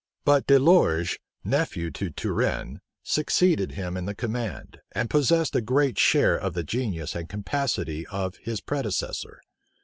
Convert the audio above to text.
But De Lorges, nephew to Turenne, succeeded him in the command, and possessed a great share of the genius and capacity of his predecessor.